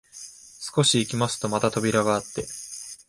少し行きますとまた扉があって、